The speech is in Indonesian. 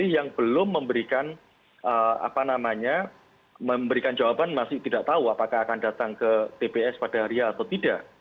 yang belum memberikan apa namanya memberikan jawaban masih tidak tahu apakah akan datang ke tps pada hari atau tidak